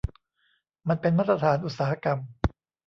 มันเป็นมาตรฐานอุตสาหกรรม